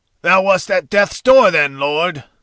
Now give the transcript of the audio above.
"Thou wast at death's door then, lord!"